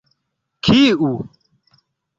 Kiu?